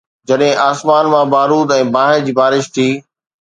جڏهن آسمان مان بارود ۽ باهه جي بارش ٿي.